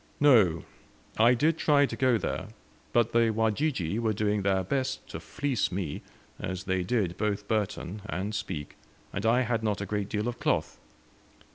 "No; I did try to go there, but the Wajiji were doing their best to fleece me, as they did both Burton and Speke, and I had not a great deal of cloth.